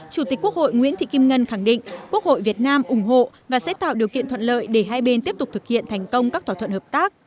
chủ tịch quốc hội nguyễn thị kim ngân khẳng định quốc hội việt nam ủng hộ và sẽ tạo điều kiện thuận lợi để hai bên tiếp tục thực hiện thành công các thỏa thuận hợp tác